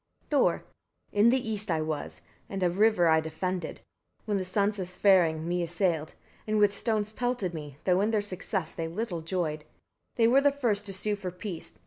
Thor. 39. In the east I was, and a river I defended, when the sons of Svarang me assailed, and with stones pelted me, though in their success they little joyed: they were the first to sue for peace.